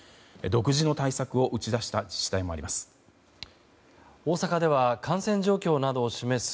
独自の対策を打ち出した自治体もあります。